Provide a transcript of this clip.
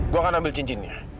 gue akan ambil cincinnya